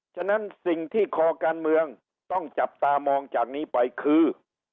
ฉะนั้นสิ่งที่คอการเมืองต้องจับตามองจากนี้ไปคือ